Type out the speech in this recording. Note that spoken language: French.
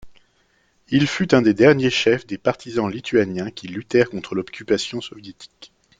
Il fut un des derniers chefs des partisans lituaniens qui luttèrent contre l'occupation soviétique.